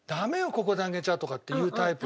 ここであげちゃ」とかって言うタイプ。